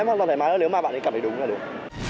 em hoàn toàn thoải mái thôi nếu mà bạn ấy cảm thấy đúng là đúng